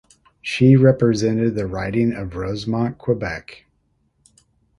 She represented the riding of Rosemont, Quebec.